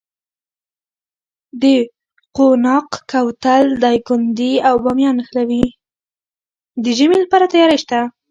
د ژمي لپاره تیاری شته؟